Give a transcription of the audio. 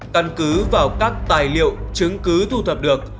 căn cứ vào các tài liệu chứng cứ thu thập được